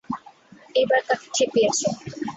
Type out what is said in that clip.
এইবার কাকে খেপিয়েছো?